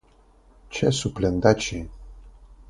Ĉesu plendaĉi.